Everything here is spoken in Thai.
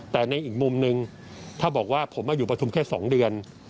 แต่ในอีกมุมนึงถ้าบอกว่าผมมาอยู่ประทุมแค่๒เดือน